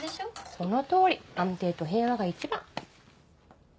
その通り安定と平和が一番！